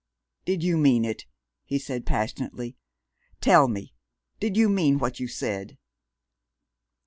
"Did you mean it?" he said passionately. "Tell me, did you mean what you said?"